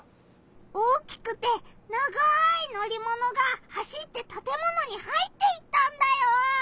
大きくて長い乗りものが走ってたてものに入っていったんだよ！